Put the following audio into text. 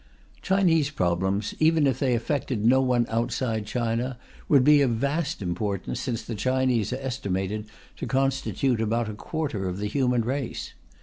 Chinese problems, even if they affected no one outside China, would be of vast importance, since the Chinese are estimated to constitute about a quarter of the human race.